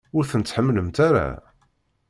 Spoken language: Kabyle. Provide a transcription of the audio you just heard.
Ur ten-tḥemmlemt ara?